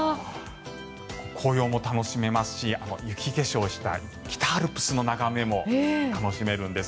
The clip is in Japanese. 紅葉も楽しめますし雪化粧した北アルプスの眺めも楽しめるんです。